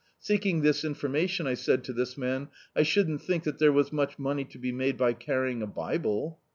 Seeking this infomiation I said to this man — "I shouldn't think that there was much money to be made by carrying a bible."